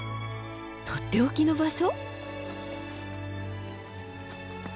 とっておきの場所？